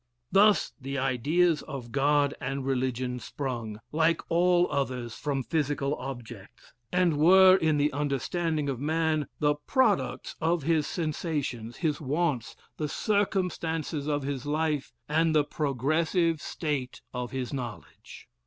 "Thus the ideas of God and religion sprung, like all others, from physical objects, and were in the understanding of man, the products of his sensations, his wants, the circumstances of his life, and the progressive state of his knowledge.